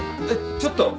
ちょっと。